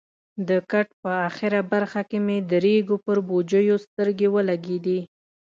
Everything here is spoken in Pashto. د کټ په اخره برخه کې مې د ریګو پر بوجیو سترګې ولګېدې.